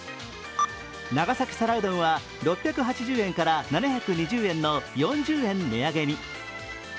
長崎皿うどんは６８０円から７２０円の４０円値上げに。